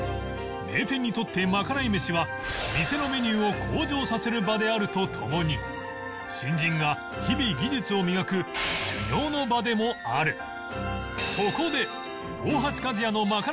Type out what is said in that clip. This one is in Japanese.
名店にとってまかない飯は店のメニューを向上させる場であるとともに新人が日々技術を磨く修業の場でもある